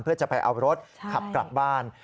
เพื่อจะไปเอารถขับกลับบ้าน